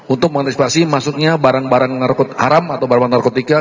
untuk mengantisipasi masuknya barang barang haram atau barang narkotika